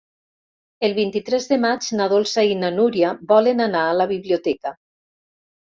El vint-i-tres de maig na Dolça i na Núria volen anar a la biblioteca.